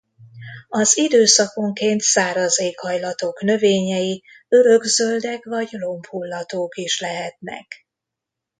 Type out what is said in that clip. Az időszakonként száraz éghajlatok növényei örökzöldek vagy lombhullatók is lehetnek.